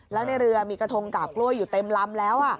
แล้วในเรือมีกระทงกาบกล้วยอยู่เต็มลำแล้ว